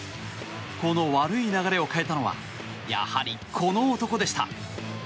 この悪い流れを変えたのはやはりこの男でした。